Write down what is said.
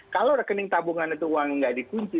kalau rekening tabungan itu uang nggak dikunci